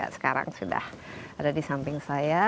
sekarang sudah ada di samping saya